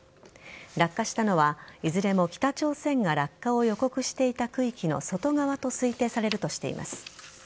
落下したのは、いずれも北朝鮮が落下を予告していた区域の外側と推定されるとしています。